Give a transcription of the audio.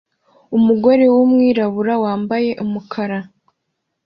Umugore wumwirabura wambaye umukara